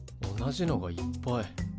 同じのがいっぱい。